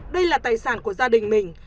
đây là tài sản của gia đình mình